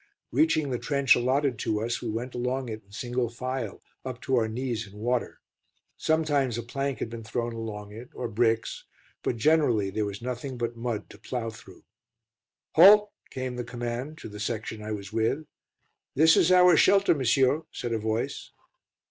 Reaching the trench allotted to us, we went along it in single file, up to our knees in water. Sometimes a plank had been thrown along it, or bricks, but generally there was nothing but mud to plough through. "Halt!" came the command to the section I was with. "This is our shelter, monsieur," said a voice.